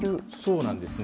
そうなんです。